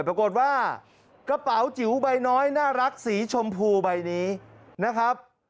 ปรากฏว่ากระเป๋าจิ๋วใบน้อยน่ารักสีชมพูใบนี้นะครับ